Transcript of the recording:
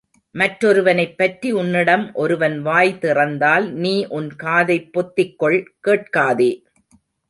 மற்றொருவனைப் பற்றி உன்னிடம் ஒருவன் வாய் திறந்தால் நீ உன் காதைப் பொத்திக்கொள் கேட்காதே!